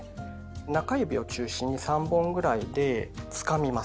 中指を中心に３本ぐらいでつかみます。